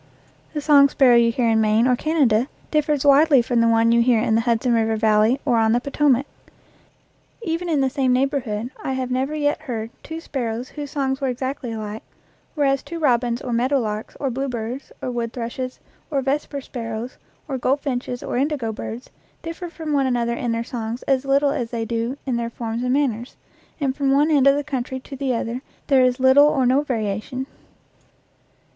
The song sparrow you hear in Maine or Canada differs widely from the one you hear in the Hudson River Valley or on the Potomac. Even in the same neighborhood I have never yet heard two sparrows whose songs were exactly alike, whereas two robins or meadowlarks or bluebirds or wood thrushes or vesper sparrows or goldfinches or indigo birds differ from one another in their songs as little as they do in their forms and manners, and from one end of the country to the other there is little or no variation.